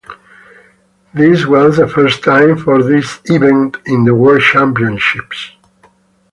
This was the first time for this event in the World Championships.